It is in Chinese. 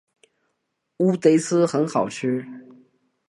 乌贼丝很好吃